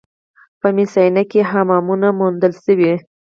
په مس عینک کې حمامونه موندل شوي